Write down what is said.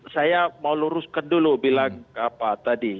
saya mau luruskan dulu bilang apa tadi